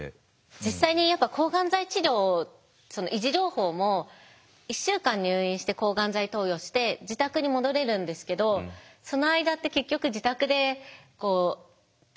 実際にやっぱ抗がん剤治療を維持療法も１週間入院して抗がん剤投与して自宅に戻れるんですけどその間って結局自宅で待機していなきゃいけないというか